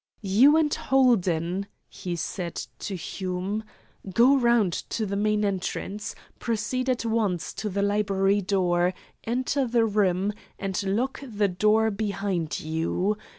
"You and Holden," he said to Hume, "go round to the main entrance, proceed at once to the library door, enter the room, and lock the door behind you.